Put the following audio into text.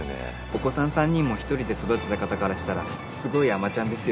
お子さん３人も一人で育てた方からしたらすごい甘ちゃんですよね。